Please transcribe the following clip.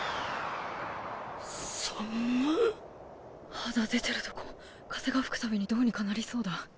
肌出てるとこ風が吹く度にどうにかなりそうだ。